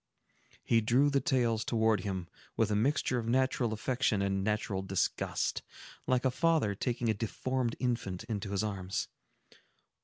He drew the tales towards him, with a mixture of natural affection and natural disgust, like a father taking a deformed infant into his arms.